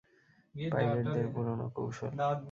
পাইরেটদের পুরানো কৌশল।